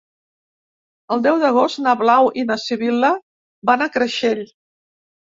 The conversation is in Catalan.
El deu d'agost na Blau i na Sibil·la van a Creixell.